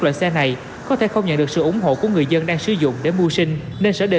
loại xe này có thể không nhận được sự ủng hộ của người dân đang sử dụng để mưu sinh nên sở đề